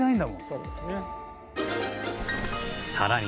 そうですね。